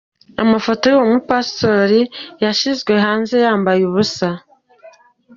Amafoto yuyu mupasitoro yashyizwe hanze yambaye ubusa.